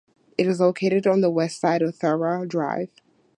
It is located on the west side of Tharwa Drive.